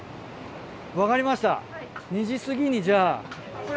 分かりました２時すぎにじゃあ。